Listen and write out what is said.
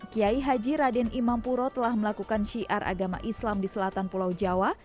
kiai haji raden imam puro telah melakukan syiar agama islam di selatan pulau jawa